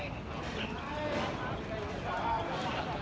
อันที่สุดท้ายก็คือภาษาอันที่สุดท้าย